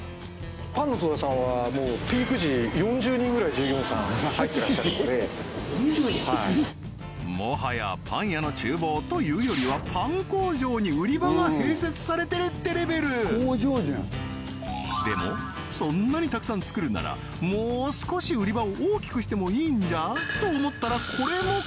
パンのトラさんはもうピーク時４０人ぐらい従業員さん入ってらっしゃるのでもはやパン屋の厨房というよりはパン工場に売り場が併設されてるってレベルでもそんなにたくさん作るならもう少し売り場を大きくしてもいいんじゃ？と思ったらこれも加藤社長の作戦！